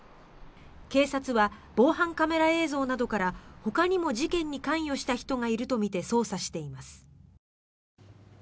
警察は、防犯カメラ映像などからほかにも事件に関与した人がいるとみて捜査しています。